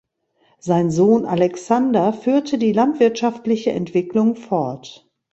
Sein Sohn "Alexander" führte die landwirtschaftliche Entwicklung fort.